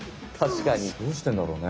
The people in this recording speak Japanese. どうしてんだろうね？